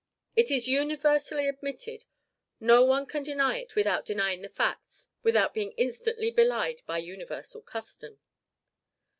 It is universally admitted. No one can deny it without denying the facts, without being instantly belied by universal custom.